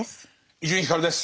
伊集院光です。